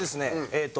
えっと